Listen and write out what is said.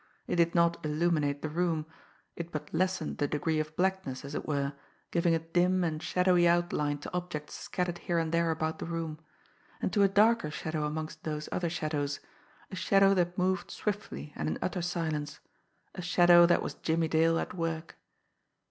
It did not illuminate the room; it but lessened the degree of blackness, as it were, giving a dim and shadowy outline to objects scattered here and there about the room and to a darker shadow amongst those other shadows, a shadow that moved swiftly and in utter silence, a shadow that was Jimmie Dale at work.